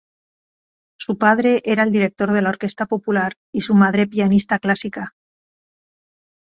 Su padre era el director de la Orquesta Popular y su madre pianista clásica.